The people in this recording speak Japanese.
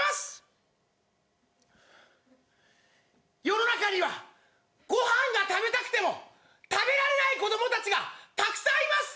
世の中にはご飯が食べたくても食べられない子供たちがたくさんいます。